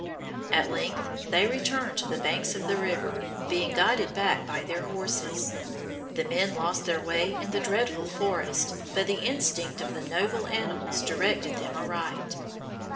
At length they returned to the banks of the river, being guided back by their horses. The men lost their way in the dreadful forest, but the instinct of the noble animals directed them aright.